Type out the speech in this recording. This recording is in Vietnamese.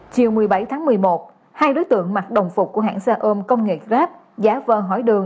chiều một mươi bảy tháng một mươi một hai đối tượng mặc đồng phục của hãng xe ôm công nghệ grab giá vờ hỏi đường